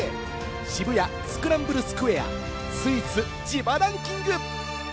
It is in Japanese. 渋谷スクランブルスクエア、スイーツ自腹ンキング！